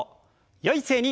よい姿勢に。